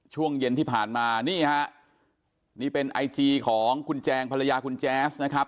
ช่วงเย็นที่ผ่านมานี่ฮะนี่เป็นไอจีของคุณแจงภรรยาคุณแจ๊สนะครับ